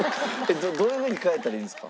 どういうふうに変えたらいいんですか？